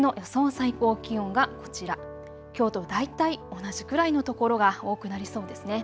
最高気温がこちら、きょうと大体同じくらいの所が多くなりそうですね。